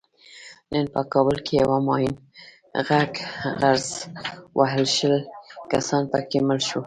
نن په کابل کې یوه ماین غرز وهلو شل کسان پکې مړه شول.